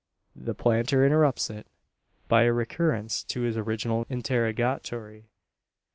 The planter interrupts it, by a recurrence to his original interrogatory.